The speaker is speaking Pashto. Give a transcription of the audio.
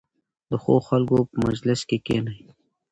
د ښو خلکو په مجلس کې کښېنئ.